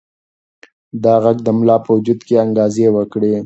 دا غږ د ملا په وجود کې انګازې وکړې.